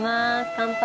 乾杯。